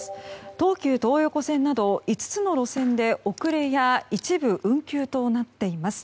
東急東横線など５つの路線で遅れや一部運休となっています。